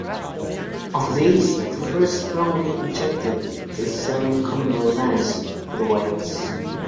Of these, the first strongly objected to selling communal lands to the whites.